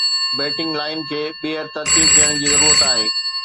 batting line کي ٻيهر ترتيب ڏيڻ جي ضرورت آهي